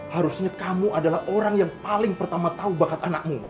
harusnya kamu adalah orang yang paling pertama tahu bakat anakmu